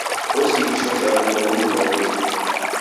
Osighishwa chaghu kwa w'undu ghwa chofi.